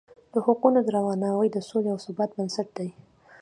د حقونو درناوی د سولې او ثبات بنسټ دی.